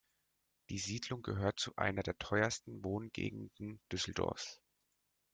Die Siedlung gehört zu einer der teuersten Wohngegenden Düsseldorfs.